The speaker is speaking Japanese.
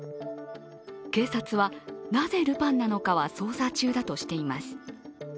警察は、なぜルパンなのかは捜査中だとしています。